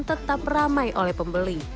tetap ramai oleh pembeli